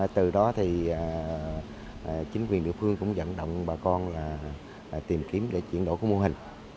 từ đó thì chính quyền địa phương cũng dẫn động bà con là tìm kiếm để chuyển đổi mô hình